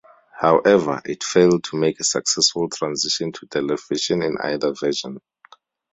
However, it failed to make a successful transition to television in either version.